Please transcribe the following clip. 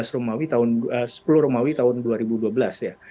dua belas romawi tahun sepuluh romawi tahun dua ribu dua belas ya